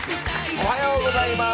おはようございます。